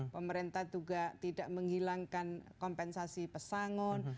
pemerintah juga tidak menghilangkan kompensasi pesangon